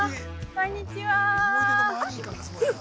こんにちは。